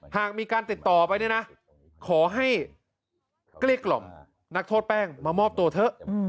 หากมีการติดต่อไปเนี่ยนะขอให้เกลี้ยกล่อมนักโทษแป้งมามอบตัวเถอะ